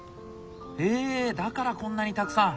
へえだからこんなにたくさん？